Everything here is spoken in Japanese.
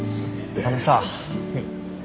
あのさ。